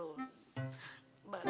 umi umi kenapa nangis